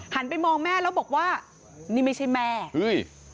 ไปมองแม่แล้วบอกว่านี่ไม่ใช่แม่เฮ้ย